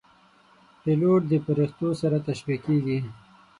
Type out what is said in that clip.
پیلوټ د پرښتو سره تشبیه کېږي.